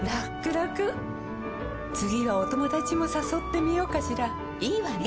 らくらくはお友達もさそってみようかしらいいわね！